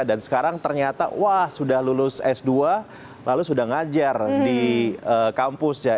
dan sekarang ternyata wah sudah lulus s dua lalu sudah ngajar di kampus ya